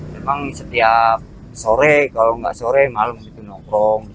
memang setiap sore kalau nggak sore malam itu nongkrong